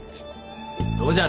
どうじゃ？